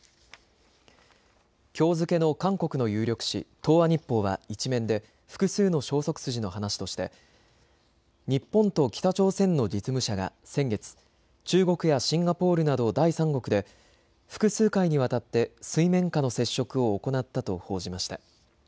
きょう付けの韓国の有力紙、東亜日報は１面で複数の消息筋の話として日本と北朝鮮の実務者が先月、中国やシンガポールなど第三国で複数回にわたって水面下の接触を行ったと報じました。